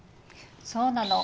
そうなの。